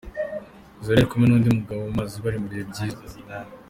Zari yari kumwe n’undi mugabo mu mazi bari mu bihe byiza.